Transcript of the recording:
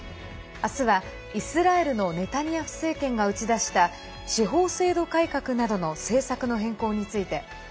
明日はイスラエルのネタニヤフ政権が打ち出した司法制度改革などの政策の変更について。